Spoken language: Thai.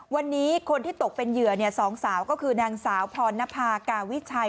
วันนี้คนที่ตกเป็นเหยื่อสองสาวก็คือนางสาวพรณภากาวิชัย